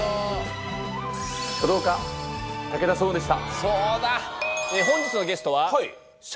書道家武田双雲でした。